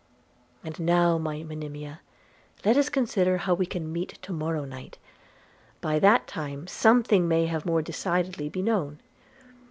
'And now, my Monimia, let us consider how we can meet to morrow night – by that time something may more decidedly be known.